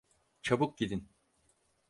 Çabuk gidin.